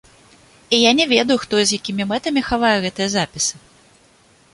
І я не ведаю, хто і з якімі мэтамі хавае гэтыя запісы.